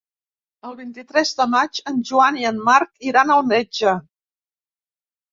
El vint-i-tres de maig en Joan i en Marc iran al metge.